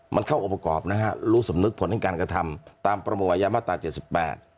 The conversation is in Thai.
มันเข้าอบกรอบนะฮะรู้สำนึกผลแห่งการกระทำตามประมวงวัยยามตรา๗๘